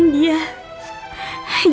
tolong selamatkan dia